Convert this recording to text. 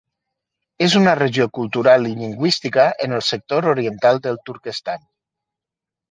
És una regió cultural i lingüística en el sector oriental del Turquestan.